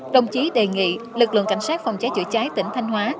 đồng chí đề nghị lực lượng cảnh sát phòng cháy chữa cháy tỉnh thanh hóa